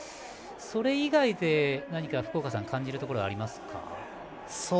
それ以外で何か福岡さん感じるところはありますか？